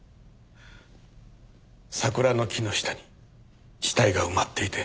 桜の木の下に死体が埋まっていて。